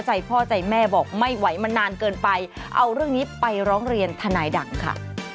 ใจพ่อใจแม่บอกไม่ไหวมานานเกินไปเอาเรื่องนี้ไปร้องเรียนทนายดังค่ะ